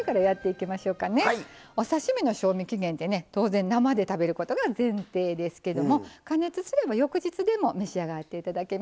お刺身の賞味期限ってね当然生で食べることが前提ですけども加熱すれば翌日でも召し上がって頂けます。